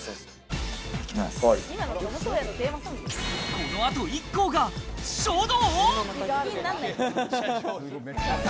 この後、ＩＫＫＯが書道！？